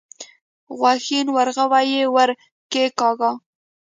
غوښين ورغوی يې ور کېکاږه.